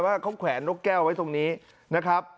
ว่าเขาแขวนนกแก้วไว้ตรงนี้นะครับ